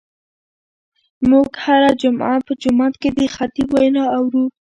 موږ هره جمعه په جومات کې د خطیب وینا اورو.